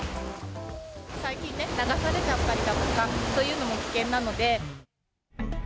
最近ね、流されちゃったりだとか、そういうのも危険なので。